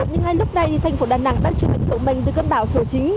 nhưng hai lúc này thì thành phố đà nẵng đã chịu ảnh hưởng mạnh từ cơn bão số chín